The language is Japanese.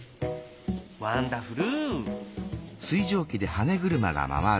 ワンダフル！